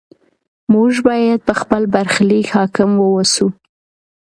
موږ باید په خپل برخلیک حاکم واوسو.